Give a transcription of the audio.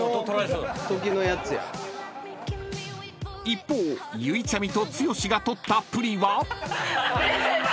［一方ゆいちゃみと剛が撮ったプリは？］